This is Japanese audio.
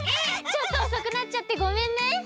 ちょっとおそくなっちゃってごめんね。